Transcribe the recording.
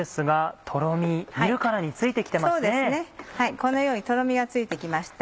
このようにとろみがついて来ました。